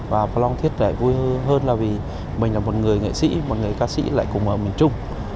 và flong thiết lại vui hơn là vì mình là một người nghệ sĩ một người ca sĩ lại cùng ở miền trung